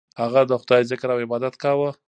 هغه د خدای ذکر او عبادت کاوه.